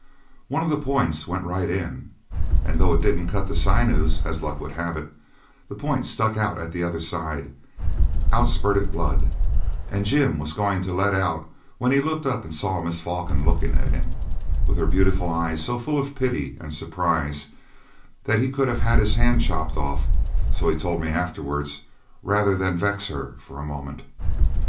One of the points went right in, and though it didn't cut the sinews, as luck would have it, the point stuck out at the other side; out spurted the blood, and Jim was just going to let out when he looked up and saw Miss Falkland looking at him, with her beautiful eyes so full of pity and surprise that he could have had his hand chopped off, so he told me afterwards, rather than vex her for a moment.